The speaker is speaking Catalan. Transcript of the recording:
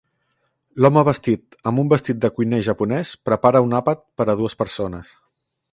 L'home vestit amb un vestit de cuiner japonès prepara un àpat per a dues persones.